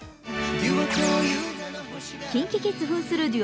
ＫｉｎＫｉＫｉｄｓふんするデュオ